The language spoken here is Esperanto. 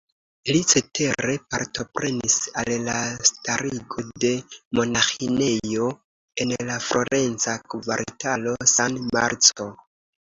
Li cetere partoprenis al la starigo de monaĥinejo en la florenca kvartalo San Marco.